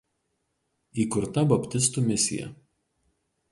Įkurta baptistų misija.